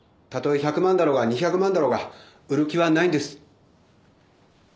たとえ１００万だろうが２００万だろうが売る気はないんです。